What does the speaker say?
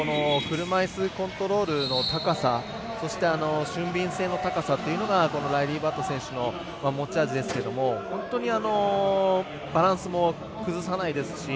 車いすコントロールの高さそして、俊敏性の高さがライリー・バット選手の持ち味ですけれども本当にバランスも崩さないですし。